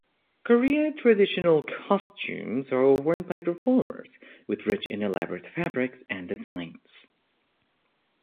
Korean traditional costumes are worn by performers, with rich and elaborate fabrics and designs.